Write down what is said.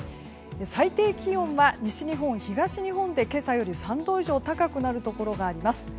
最低気温は西日本、東日本で今朝より３度以上高くなるところがあります。